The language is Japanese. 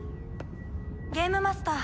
ゲームマスター！